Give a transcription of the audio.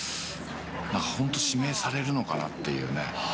本当指名されるのかなっていうね。